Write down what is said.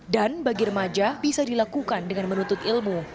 dan bagi remaja bisa dilakukan dengan menutup ilmu